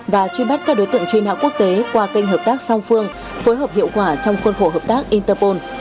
và truy bắt các đối tượng truy nã quốc tế qua kênh hợp tác song phương phối hợp hiệu quả trong khuôn khổ hợp tác interpol